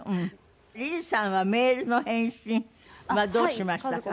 リズさんはメールの返信はどうしましたか？